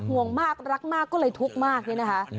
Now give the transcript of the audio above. ห่วงมากรักมากก็เลยทุกข์มากนี่นะคะ